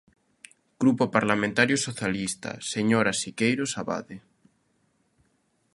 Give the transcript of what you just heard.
Grupo Parlamentario Socialista, señora Siqueiros Abade.